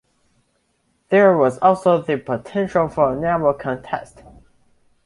There was also the potential for a naval contest.